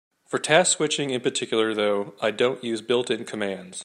For task switching in particular, though, I don't use the built-in commands.